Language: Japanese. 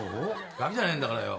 ガキじゃねえんだからよ。